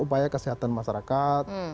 upaya kesehatan masyarakat